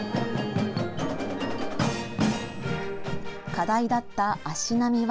課題だった足並みは。